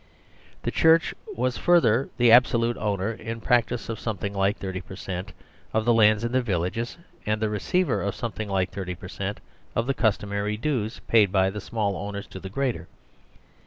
The Church was further the ab solute owner in practice of something like 30 per cent, of the demesne land in the villages, and the re ceiver of something like 30 per cent, of the custom ary dues, etc., paid by the smaller owners to the greater.